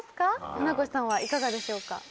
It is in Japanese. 船越さんはいかがでしょうか？